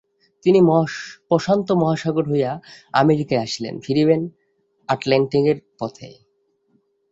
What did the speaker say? তিনি প্রশান্ত মহাসাগর হইয়া আমেরিকায় আসিলেন, ফিরিবেন অ্যাটলাণ্টিকের পথে।